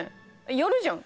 やるじゃん。